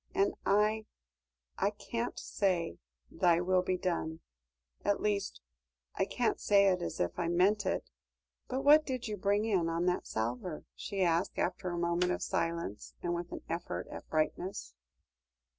And I I can't say, 'Thy will be done'; at least, I can't say it as if I meant it. But what did you bring in on that salver?" she asked, after a moment of silence, and with an effort at brightness.